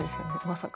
まさか。